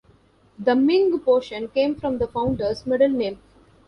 The Ming portion came from the founder's "middle name".